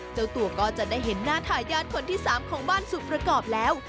เจ้าตัวก็จะได้เห็นหน้าทายาทคนที่๓ของบ้านสุขประกอบแล้ว